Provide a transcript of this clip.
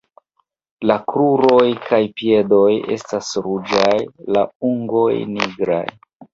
La kruroj kaj piedoj estas ruĝaj, la ungoj nigraj.